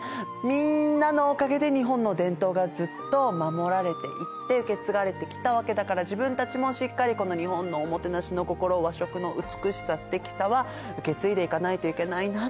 みんなのおかげで日本の伝統がずっと守られていって受け継がれてきたわけだから自分たちもしっかりこの日本のおもてなしの心和食の美しさすてきさは受け継いでいかないといけないなって